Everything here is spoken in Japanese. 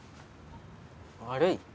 悪い？